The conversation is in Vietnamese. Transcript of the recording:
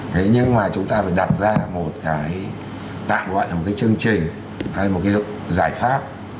thế nhưng mà chúng ta phải đặt ra một cái tạm gọi là một cái chương trình hay một cái giải pháp